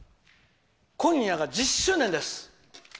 今夜が１０周年です！